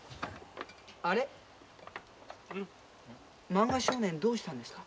「漫画少年」どうしたんですか？